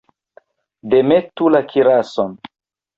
Demetu la kirason!